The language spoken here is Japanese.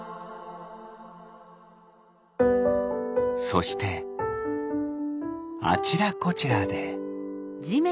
そしてあちらこちらで。